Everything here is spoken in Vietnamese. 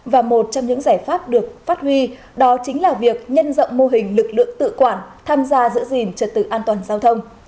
và một trong những giải pháp được phát huy đó chính là việc nhân rộng mô hình lực lượng tự quản tham gia giữ gìn trật tự an toàn giao thông